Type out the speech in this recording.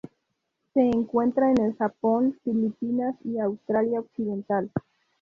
Se encuentra en el Japón, Filipinas y Australia Occidental.